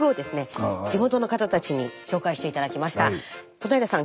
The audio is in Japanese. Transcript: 小平さん